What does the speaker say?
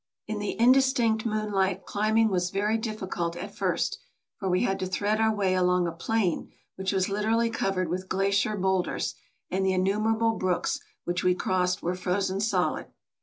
In the indistinct moonlight climbing was very difficult at first, for we had to thread our way along a plain which was literally covered with glacier bowlders, and the innumerable brooks which we crossed were frozen solid.